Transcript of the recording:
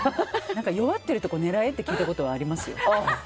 弱ってるところ狙えって聞いたことありますよ。